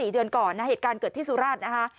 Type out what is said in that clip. ๔เดือนก่อนนะเหตุการณ์เกิดที่สุราชนะคะ